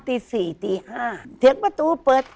ตีสี่ตีห้าเถียงประตูเปิด